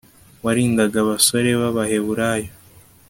warindaga abasore b'abaheburayo